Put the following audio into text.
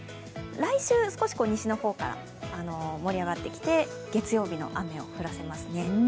来週少し西の方から盛り上がってきて、月曜日の雨を降らせますね。